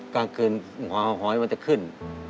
กลางคืนหอยมันจะขึ้น